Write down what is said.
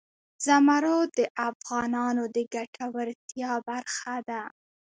زمرد د افغانانو د ګټورتیا برخه ده.